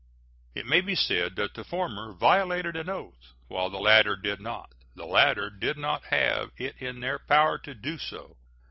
It may be said that the former violated an oath, while the latter did not; the latter did not have it in their power to do so.